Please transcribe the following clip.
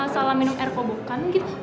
salah minum air kobokan gitu